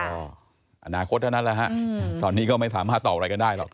ก็อนาคตเท่านั้นแหละฮะตอนนี้ก็ไม่สามารถตอบอะไรกันได้หรอก